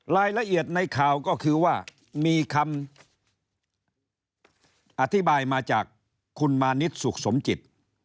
รายละเอียดในข่าวก็คือว่ามีคำอธิบายมาจากคุณมานิดสุขสมจิต